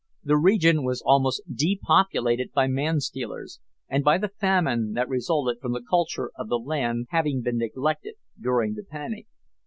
The region was almost depopulated by man stealers, and by the famine that resulted from the culture of the land having been neglected during the panic.